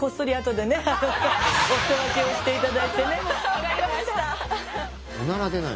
わかりました。